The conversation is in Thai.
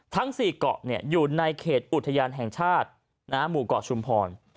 ทั้ง๔เกาะอยู่ในเขตอุทยานแห่งชาติหมู่เกาะชุมพร